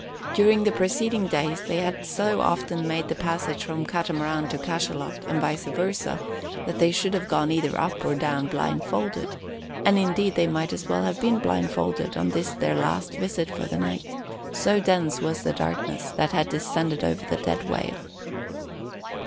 During the preceding days they had so often made the passage from Catamaran to cachalot, and vice versa, that they could have gone either up or down blindfolded; and indeed they might as well have been blindfolded on this their last transit for the night, so dense was the darkness that had descended over the dead whale.